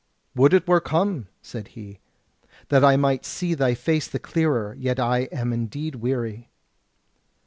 "Would it were come," said he, "that I might see thy face the clearer; yet I am indeed weary."